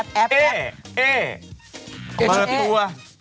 เมื่อตัว